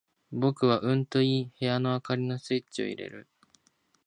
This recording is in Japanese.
僕はうんと言い、部屋の灯りのスイッチを入れる。